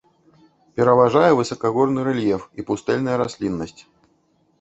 Пераважае высакагорны рэльеф і пустэльная расліннасць.